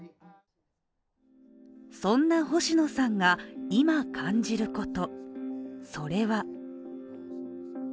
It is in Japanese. そんな星野さんが今感じること。